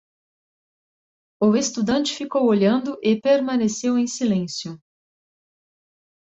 O estudante ficou olhando e permaneceu em silêncio.